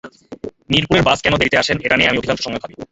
মিরপুরের বাস কেন দেরিতে আসেন, এটা নিয়েই আমি অধিকাংশ সময় ভাবি।